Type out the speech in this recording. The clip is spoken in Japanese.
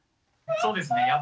そうですね